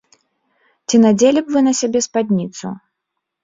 Ці надзелі б вы на сябе спадніцу?